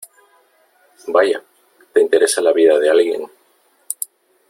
vaya , te interesa la vida de alguien .